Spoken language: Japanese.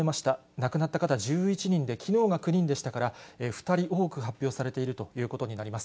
亡くなった方は１１人で、きのうが９人でしたから、２人多く発表されているということになります。